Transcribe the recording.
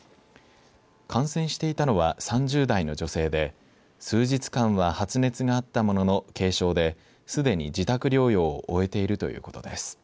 感染していたのは３０代の女性で数日間は発熱があったものの軽症ですでに自宅療養を終えているということです。